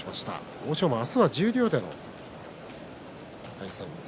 欧勝馬、明日は十両での対戦です。